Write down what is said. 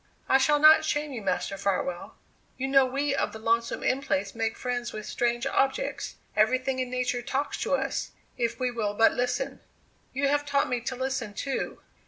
I shall not shame you, Master Farwell. You know we of the lonesome In Place make friends with strange objects; everything in nature talks to us, if we will but listen. You have taught me to listen, too.